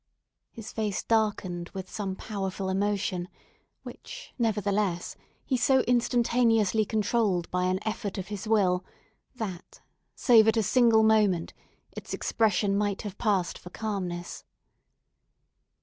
His face darkened with some powerful emotion, which, nevertheless, he so instantaneously controlled by an effort of his will, that, save at a single moment, its expression might have passed for calmness.